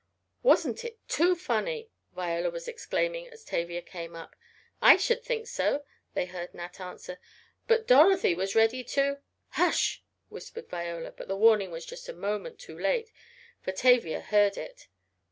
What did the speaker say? "Wasn't it too funny!" Viola was exclaiming as Tavia came up. "I should think so," they heard Nat answer, "But Dorothy was ready to " "Hush!" whispered Viola, but the warning was just a moment too late, for Tavia heard it.